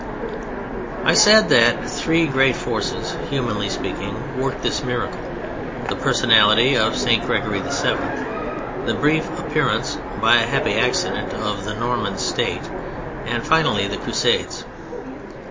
I said that three great forces, humanly speaking, worked this miracle; the personality of St. Gregory VII.; the brief appearance, by a happy accident, of the Norman State; and finally the Crusades.